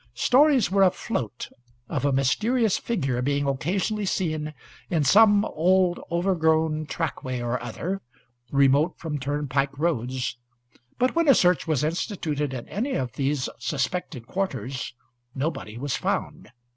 Stories were afloat of a mysterious figure being occasionally seen in some old overgrown trackway or other, remote from turnpike roads; but when a search was instituted in any of these suspected quarters nobody was found.